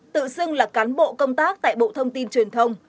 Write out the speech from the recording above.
tự xưng là cán bộ công tác tại bộ thông tin truyền thông